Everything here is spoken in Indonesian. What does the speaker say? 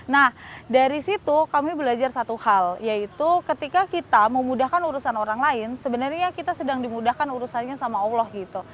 nah dari situ kami belajar satu hal yaitu ketika kita memudahkan urusan orang lain sebenarnya kita sedang dimudahkan urusannya sama allah gitu